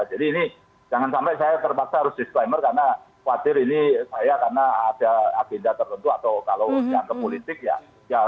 jadi ini jangan sampai saya terpaksa harus disclaimer karena khawatir ini saya karena ada agenda tertentu atau kalau yang ke politik ya